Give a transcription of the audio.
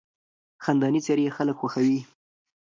خندانې څېرې خلک خوښوي.